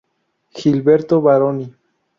Gilberto Baroni.